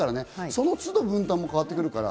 その都度、分担も変わってくるから。